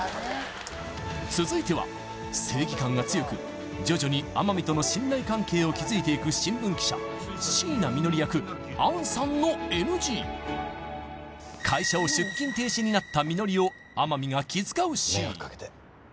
続いては正義感が強く徐々に天海との信頼関係を築いていく新聞記者椎名実梨役杏さんのＮＧ会社を出勤停止になった実梨を天海が気遣うシーン